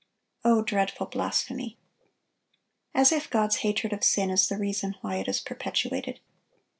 Oh, dreadful blasphemy! As if God's hatred of sin is the reason why it is perpetuated.